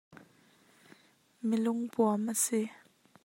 Mi lungpuam a si.